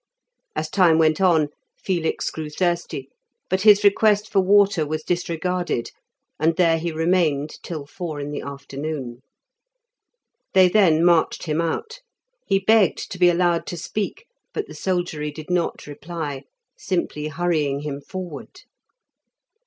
As time went on, Felix grew thirsty, but his request for water was disregarded, and there he remained till four in the afternoon. They then marched him out; he begged to be allowed to speak, but the soldiery did not reply, simply hurrying him forward.